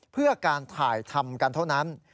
เพื่อการถ่ายทำกันเท่านั้น